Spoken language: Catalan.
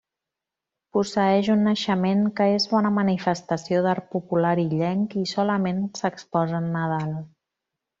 Posseeix un Naixement que és bona manifestació d'art popular illenc i solament s'exposa en Nadal.